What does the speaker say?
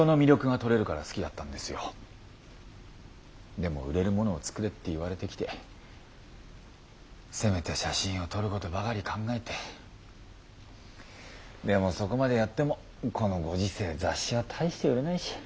でも売れるものを作れって言われてきて攻めた写真を撮ることばかり考えてでもそこまでやってもこのご時世雑誌は大して売れないし。